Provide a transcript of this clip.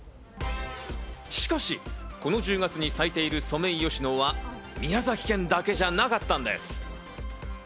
しかしこの１０月に咲いているソメイヨシノは宮崎県だけじゃなかったんです。